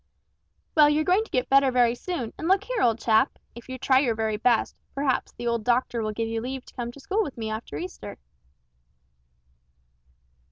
"Well, you're going to get better very soon, and look here, old chap! If you try your very best, perhaps the old doctor will give you leave to come to school with me after Easter."